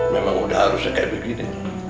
memang udah harusnya kayak begini